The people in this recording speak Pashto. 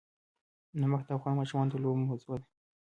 نمک د افغان ماشومانو د لوبو موضوع ده.